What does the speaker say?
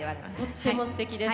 とってもすてきです。